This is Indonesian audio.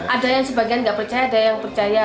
ada yang sebagian nggak percaya ada yang percaya